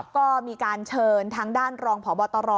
ก็มีการเชิญทางด้านรองพบตร